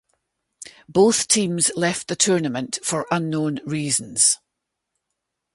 Both teams left the tournament for unknown reasons.